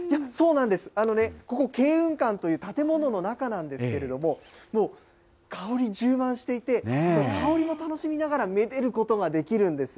ここ、慶雲館という建物の中なんですけれども、もう香り充満していて、香りも楽しみながら、めでることができるんですよ。